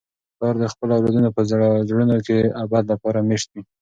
پلار د خپلو اولادونو په زړونو کي د ابد لپاره مېشت وي.